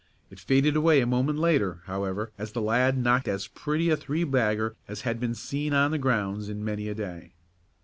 It faded away a moment later, however, as the lad knocked as pretty a three bagger as had been seen on the grounds in many a day.